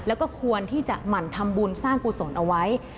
แล้วก็ควรที่จะหมั่นทำบุญสร้างกุศลเอาไว้